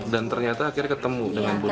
dan ternyata akhirnya ketemu dengan bunyi